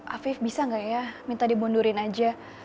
afif bisa gak ya minta dibundurin aja